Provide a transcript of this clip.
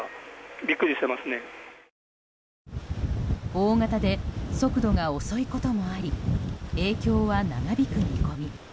大型で速度が遅いこともあり影響は長引く見込み。